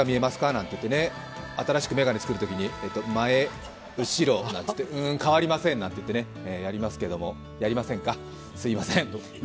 なんていってね、新しく眼鏡作るときに前、後ろうーん、変わりませんなんていってやりますけどもやりませんか、すいません。